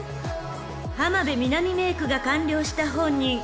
［浜辺美波メークが完了した本人。